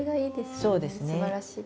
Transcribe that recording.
すばらしいです。